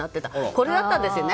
これだったんですよね。